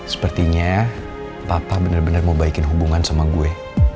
sepertinya papa bener bener mau baikin hubungan sama gue